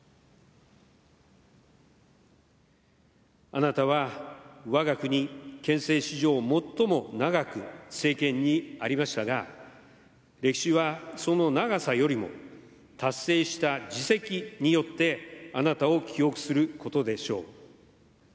あなたはわが国憲政史上最も長く政権にありましたが、歴史はその長さよりも、達成した事績によって、あなたを記憶することでしょう。